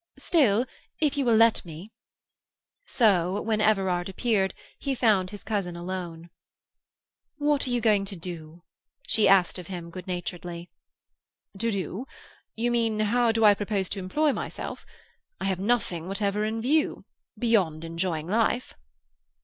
"Still, if you will let me—" So, when Everard appeared, he found his cousin alone. "What are you going to do?" she asked of him good naturedly. "To do? You mean, how do I propose to employ myself? I have nothing whatever in view, beyond enjoying life."